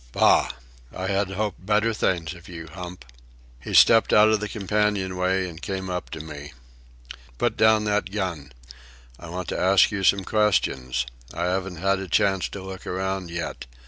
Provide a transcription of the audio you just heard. Bah! I had hoped better things of you, Hump." He stepped out of the companion way and came up to me. "Put down that gun. I want to ask you some questions. I haven't had a chance to look around yet.